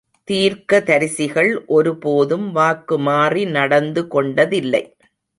தீர்க்கதரிசிகள் ஒரு போதும் வாக்கு மாறி நடந்து கொண்டதில்லை.